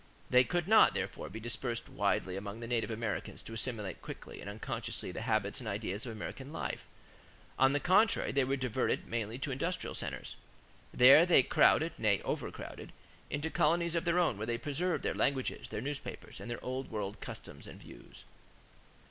They could not, therefore, be dispersed widely among the native Americans to assimilate quickly and unconsciously the habits and ideas of American life. On the contrary, they were diverted mainly to the industrial centers. There they crowded nay, overcrowded into colonies of their own where they preserved their languages, their newspapers, and their old world customs and views.